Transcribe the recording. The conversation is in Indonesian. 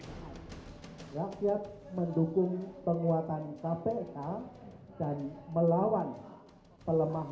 rakyat mendukung penguatan kpk